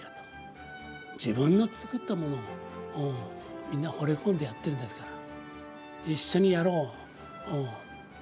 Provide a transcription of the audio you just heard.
自分のつくったものをみんなほれ込んでやってるんですから。